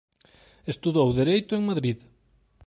Estudou Dereito en Madrid.